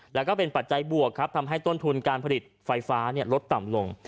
แล้วก็เป็นปัจจัยบวกครับทำให้ต้นทุนการผลิตไฟฟ้าลดต่ำลง